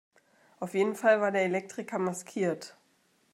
Auf jeden Fall war der Elektriker maskiert.